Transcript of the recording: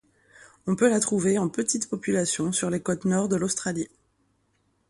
On peut la trouver en petites populations sur les côtes Nord de l'Australie.